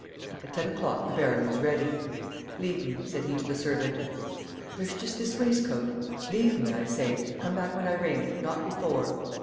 At ten o'clock the baron was ready: "Leave me," said he to the servant. "There's just this waistcoat. ..." "Leave me, I say. Come back when I ring ... not before."